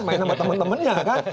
main sama temen temennya kan